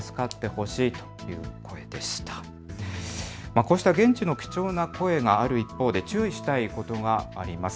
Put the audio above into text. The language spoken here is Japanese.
こうした現地の貴重な声がある一方で注意したいことがあります。